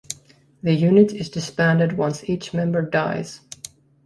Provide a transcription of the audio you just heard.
The unit is disbanded once each member dies.